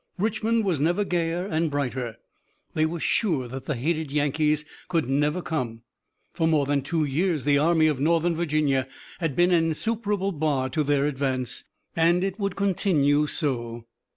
Richmond was never gayer and brighter. They were sure that the hated Yankees could never come. For more than two years the Army of Northern Virginia had been an insuperable bar to their advance, and it would continue so.